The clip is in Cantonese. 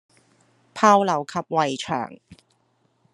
炮樓及圍牆